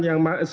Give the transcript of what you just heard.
d sm di malaysia